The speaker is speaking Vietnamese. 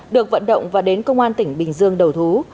được vận động và đến công an tỉnh bình dương đầu thú